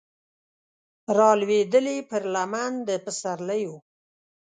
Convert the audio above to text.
رالویدلې پر لمن د پسرلیو